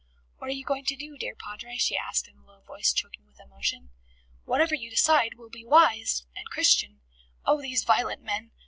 "What are you going to do, dear Padre?" she asked in a low voice, choking with emotion. "Whatever you decide will be wise and Christian. Oh, these violent men!